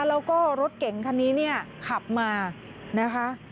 แล้วก็รถเก๋งคันนี้เนี่ยขับมานะคะ